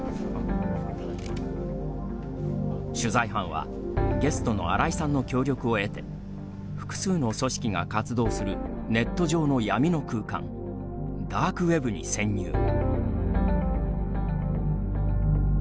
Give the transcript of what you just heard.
取材班は、ゲストの新井さんの協力を得て複数の組織が活動するネット上の闇の空間「ダークウェブ」に先入。